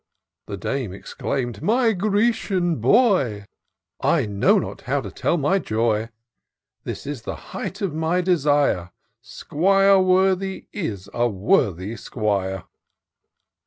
The dame exclaim'd, " My Grecian boy ! I know not how to teU my joy. This is the height of my desire :— 'Squire Worthy is a worthy Squire."